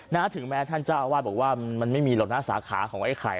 ถึงแม้ท่านเจ้าอาวาสบอกว่ามันไม่มีหรอกนะสาขาของไอ้ไข่